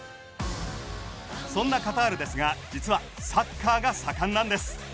そんなカタールですが実はサッカーが盛んなんです。